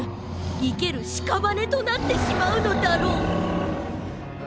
いけるしかばねとなってしまうのだろう」。